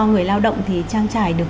người lao động thì trang trải được